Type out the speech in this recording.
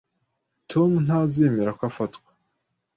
Tom ntazemera ko afatwa.